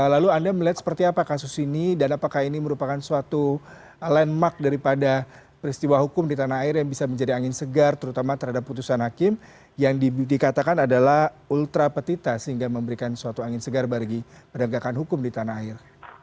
lalu anda melihat seperti apa kasus ini dan apakah ini merupakan suatu landmark daripada peristiwa hukum di tanah air yang bisa menjadi angin segar terutama terhadap putusan hakim yang dikatakan adalah ultra petita sehingga memberikan suatu angin segar bagi penegakan hukum di tanah air